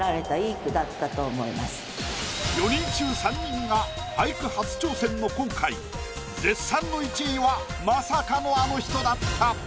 ４人中３人が俳句初挑戦の今回絶賛の１位はまさかのあの人だった。